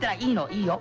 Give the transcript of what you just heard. いいよ。